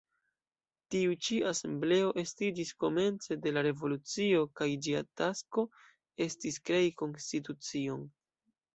Tiu ĉi asembleo estiĝis komence de la revolucio kaj ĝia tasko estis krei konstitucion.